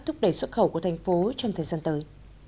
thúc đẩy xuất khẩu của thành phố trong thời gian tới